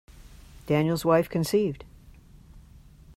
Daniel's wife conceived.